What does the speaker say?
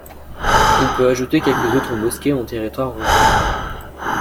On peut ajouter quelques autres mosquées en territoire rural.